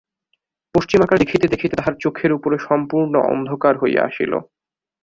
পশ্চিম আকাশ দেখিতে দেখিতে তাহার চোখের উপরে সম্পূর্ণ অন্ধকার হইয়া আসিল।